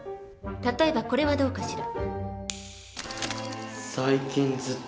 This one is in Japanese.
例えばこれはどうかしら。